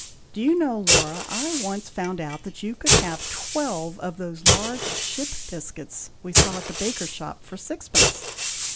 "Do you know, Laura, I once found out that you could have twelve of those large ship biscuits we saw at the baker's shop for sixpence.